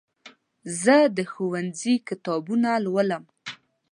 زه د ښوونځي کتابونه لولم.